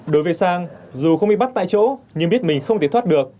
đối với sang dù không bị bắt tại chỗ nhưng biết mình không thể thoát được